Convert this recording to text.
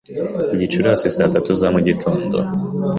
Gicurasi saa tatu za mugitondo?